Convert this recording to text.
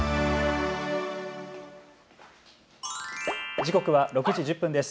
時刻は６時１０分です。